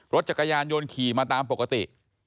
รถจักรยานยนต์ขี่มาตามปกติ